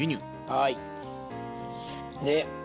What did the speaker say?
はい。